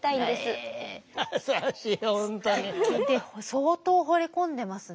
相当ほれ込んでますね。